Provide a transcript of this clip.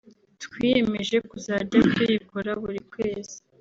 twiyemeje kuzajya tuyikora buri kwezi